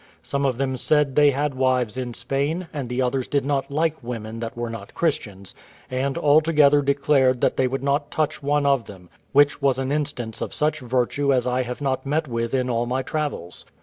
Some of them said they had wives in Spain, and the others did not like women that were not Christians; and all together declared that they would not touch one of them, which was an instance of such virtue as I have not met with in all my travels.